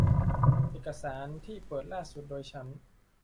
เอกสารที่เปิดล่าสุดโดยฉัน